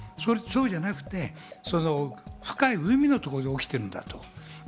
そうじゃなくて、深い海のところで起きてるんだと。